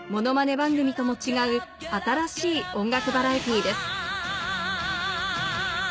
番組とも違う新しい音楽バラエティーです